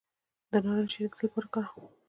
د نارنج شیره د څه لپاره وکاروم؟